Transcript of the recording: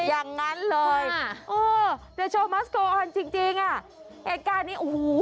อย่างนั้นเลยเออเดี๋ยวโชว์มัสโกออนจริงจริงอ่ะเหตุการณ์นี้โอ้โห